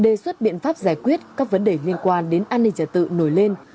đề xuất biện pháp giải quyết các vấn đề liên quan đến an ninh trả tự nổi lên